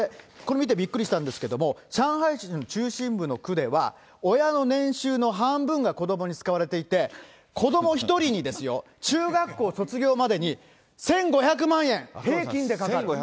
これ見てびっくりしたんですけれども、上海市の中心部の区では、親の年収の半分が子どもに使われていて、子ども１人に、中学校卒業までに１５００万円、平均でかかる。